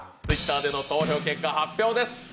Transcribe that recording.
Ｔｗｉｔｔｅｒでの投票結果、発表です。